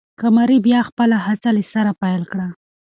قمري بیا خپله هڅه له سره پیل کړه.